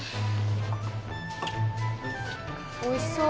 おいしそう！